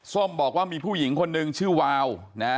ส้มบอกว่ามีผู้หญิงคนนึงชื่อวาวนะฮะ